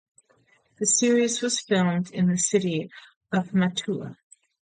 The series was filmed in the city of Mantua.